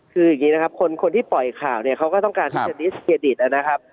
คืออย่างนี้นะครับคนที่ปล่อยข่าวเนี่ยเขาก็ต้องการที่จะดิสเครดิตนะครับ